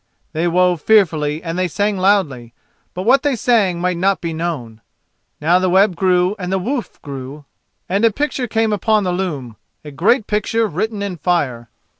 They wove fearfully and they sang loudly, but what they sang might not be known. Now the web grew and the woof grew, and a picture came upon the loom—a great picture written in fire.